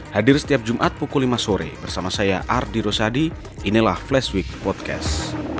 hadir setiap jumat pukul lima sore bersama saya ardy rosadi inilah flashweek podcast